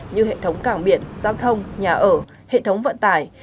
như hệ thống cảng biển giao thông nhà ở hệ thống vận tải